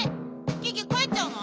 ギギかえっちゃうの？